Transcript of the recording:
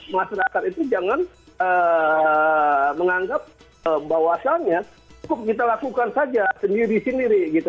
mas raka itu jangan menganggap bahwasannya cukup kita lakukan saja sendiri sendiri gitu